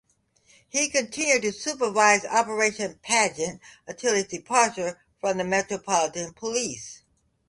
He continued to supervise Operation Paget until his departure from the Metropolitan Police.